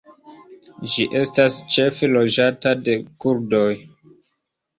Ĝi estas ĉefe loĝata de kurdoj.